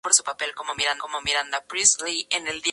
Fue alumno de Lennie Tristano y de Lee Konitz.